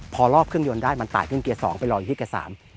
พอรอบเครื่องยนต์ได้มันตายขึ้นเกียร์สองไปรออยู่ที่เกียร์สาม